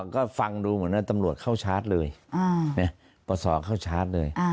ก็ฟังดูเหมือนว่าตำรวจเข้าชาร์จเลยปศเข้าชาร์จเลย